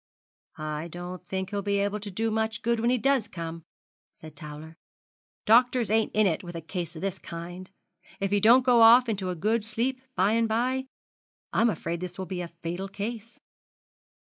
'I don't think he'll be able to do much good when he does come,' said Towler; 'doctors ain't in it with a case of this kind. If he don't go off into a good sleep by and by, I'm afraid this will be a fatal case.'